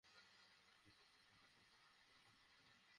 ভোটের দিনও শান্তিপূর্ণ পরিবেশ বজায় থাকবে বলে আশাবাদ ব্যক্ত করেন তিনি।